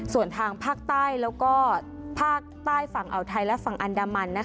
ส่วนทางภาคใต้แล้วก็ภาคใต้ฝั่งอ่าวไทยและฝั่งอันดามัน